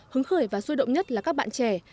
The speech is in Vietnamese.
hứng khởi và sôi động nhất là các bạn trẻ